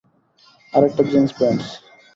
আর একটা jeans pants.